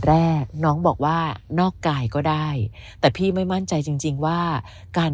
แรกน้องบอกว่านอกกายก็ได้แต่พี่ไม่มั่นใจจริงจริงว่าการ